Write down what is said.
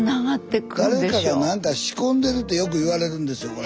誰かが何か仕込んでるってよく言われるんですよこれ。